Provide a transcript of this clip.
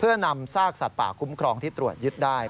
เพื่อนำซากสัตว์ป่าคุ้มครองที่ตรวจยึดได้